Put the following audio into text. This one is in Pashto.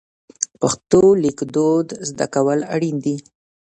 پښتو لیکدود زده کول اړین دي.